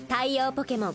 ポケモン。